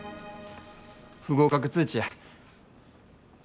不合格通知や。